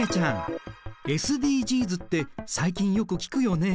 ＳＤＧｓって最近よく聞くよね。